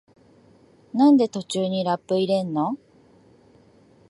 なんで途中にラップ入れんの？